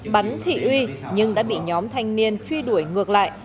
bắn thị uy nhưng đã bị nhóm thanh niên truy đuổi ngược lại